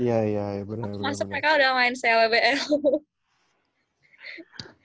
aku masuk mereka udah main sea wbl